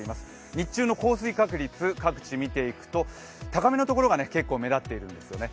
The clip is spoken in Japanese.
日中の降水確率、各地見ていくと高めのところが結構目立っているんですよね。